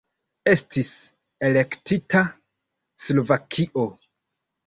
Estis elektita Slovakio.